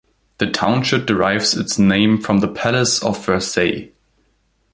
The township derives its name from the Palace of Versailles.